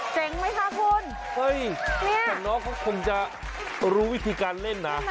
สนั่งการเล่น